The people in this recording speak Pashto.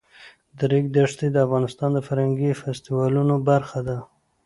د ریګ دښتې د افغانستان د فرهنګي فستیوالونو برخه ده.